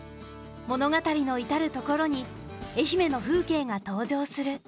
物語の至る所に愛媛の風景が登場する。